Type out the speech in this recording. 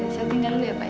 saya tinggal dulu ya pak